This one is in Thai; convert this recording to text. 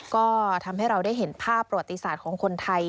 ก็ทำให้เราได้เห็นภาพประวัติศาสตร์ของคนไทย